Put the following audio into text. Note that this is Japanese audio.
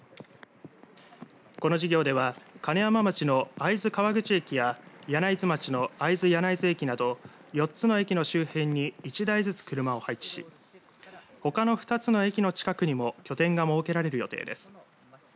この事業では金山町の会津川口駅や柳津町の会津柳津駅など４つの駅の周辺に１台ずつ車を配置しほかの２つの駅の近くにも拠点が設けられる予定です。